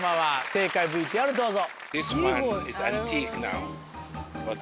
正解ＶＴＲどうぞ。